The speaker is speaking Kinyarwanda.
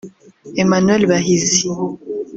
Emmanuel Bahizi